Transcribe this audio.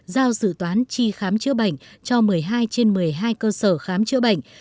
giao dự toán tri khám chữa bệnh cho một mươi hai trên một mươi hai cơ sở khám chữa bệnh